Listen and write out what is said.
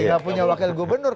enggak punya wakil gubernur